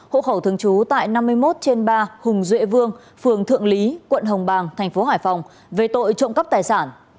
hộ khẩu thường trú tại năm mươi một trên ba hùng duệ vương phường thượng lý quận hồng bàng tp hải phòng về tội trộm cấp tài sản